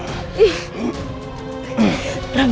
kita harus habisi dia sekarang